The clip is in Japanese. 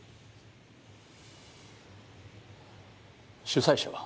主催者は？